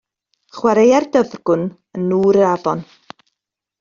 Chwaraeai'r dyfrgwn yn nŵr yr afon.